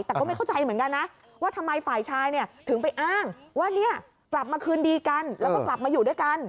แต่ก็ไม่เข้าใจเหมือนกันนะว่าทำไมฝ่ายชายถึงไปอ้างว่าเนี่ยกลับมาคืนดีกันแล้วก็กลับมาอยู่ด้วยกัน